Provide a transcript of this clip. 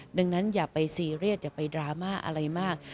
ดังนั้นอย่าไปซีเรียสอย่าไปดราม่าอะไรมาก